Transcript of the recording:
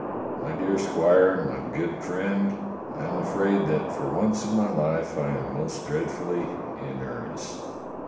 My dear squire, my good friend, I am afraid that for once in my life I am most dreadfully in earnest."